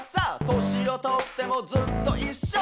「年をとってもずっといっしょ」